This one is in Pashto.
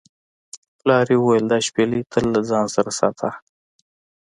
پلار یې وویل دا شپیلۍ تل له ځان سره ساته.